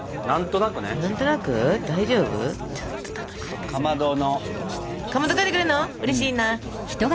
うれしいな！